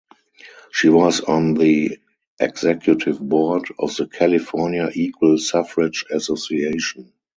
She was on the executive board of the California Equal Suffrage Association.